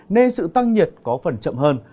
nên sự tăng nhiệt có phần chậm hơn